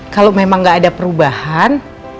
kalau memang nggak ada perubahan